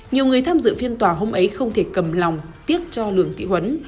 nhiều người tham dự phiên tòa hôm ấy không thể cầm lòng tiếc cho lượng tỷ huấn